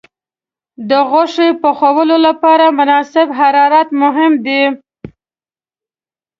د غوښې پخولو لپاره مناسب حرارت مهم دی.